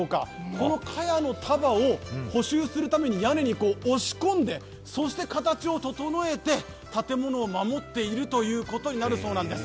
この、かやの束を補修するために屋根に押し込んでそして形を整えて建物を守っているということになるそうなんです。